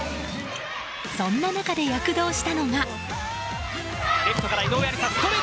そんな中で躍動したのが。